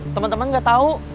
temen temen gak tau